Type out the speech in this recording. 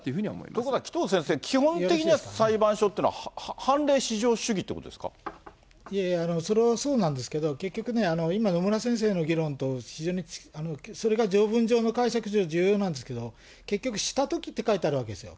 ところが紀藤先生、基本的には、裁判所っていうのは判例至上いやいや、それはそうなんですけど、結局ね、今、野村先生の議論と、非常にそれが条文上の解釈上、重要なんですけど、結局、したときって書いてあるわけですよ。